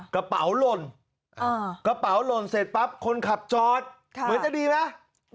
กระเป๋าล่นเสร็จปั๊บคนขับจอดเหมือนจะดีไหม